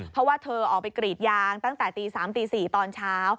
เพราะว่าเธอออกไปกรีดยางตั้งแต่ตี๓ตี๔ตอนเช้า